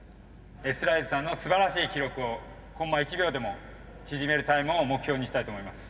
Ｓライズさんのすばらしい記録をコンマ１秒でも縮めるタイムを目標にしたいと思います。